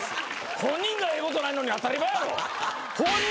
本人がええことないのに当たり前やろ！